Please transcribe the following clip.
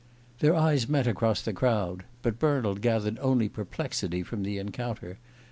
Their eyes met across the crowd; but Bernald gathered only perplexity from the encounter.